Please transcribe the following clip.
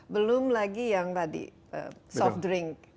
belum lagi yang tadi soft drink